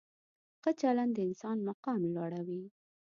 ښه چلند د انسان مقام لوړوي.